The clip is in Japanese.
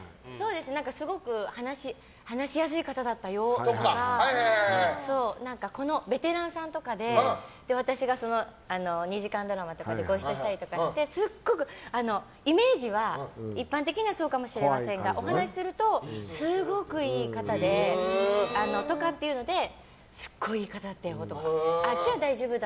すごく話やすい方だったよとかベテランさんとかで私が２時間ドラマとかでご一緒したりしてすっごくイメージは一般的にはそうかもしれませんがお話しするとすごいいい方ですごい、いい方だったよとか。